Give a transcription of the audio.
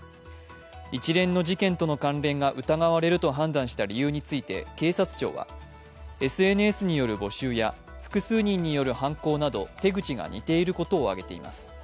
一連の事件との関連が疑われると判断した理由について警察庁は、ＳＮＳによる募集や複数人による犯行など、手口が似ていることを挙げています。